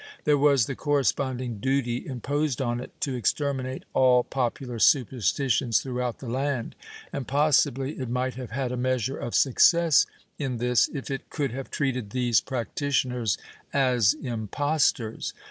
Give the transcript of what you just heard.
There was the corresponding duty imposed on it to exterminate all popular superstitions throughout the land, and possibly it might have had a measure of success in this if it could have treated these practitioners as impostors.